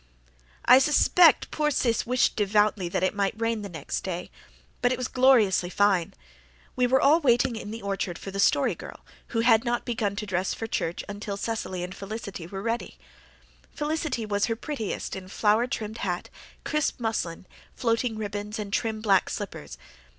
I suspect poor Sis wished devoutly that it might rain the next day; but it was gloriously fine. We were all waiting in the orchard for the Story Girl who had not begun to dress for church until Cecily and Felicity were ready. Felicity was her prettiest in flower trimmed hat, crisp muslin, floating ribbons and trim black slippers.